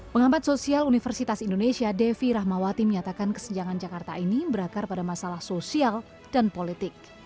pengambat sosial universitas indonesia devi rahmawati menyatakan kesenjangan jakarta ini berakar pada masalah sosial dan politik